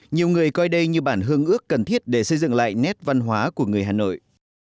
nhiều người coi đây như bản hương ước cần thiết để xây dựng lại nét văn hóa của người hà nội